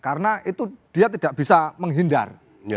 karena itu dia tidak bisa menghindar